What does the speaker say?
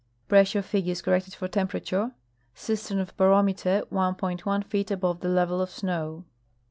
Pressure figures corrected for tem perature. Cistern of barometer 1.1 feet above the level of snow.